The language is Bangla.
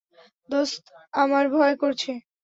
দোস্ত, আমার ভয় করছে।